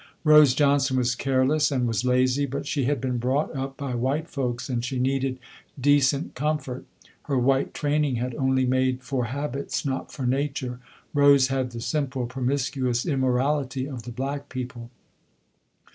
Rose Johnson was careless and was lazy, but she had been brought up by white folks and she needed decent comfort. Her white training had only made for habits, not for nature. Rose had the simple, promiscuous immorality of the black people.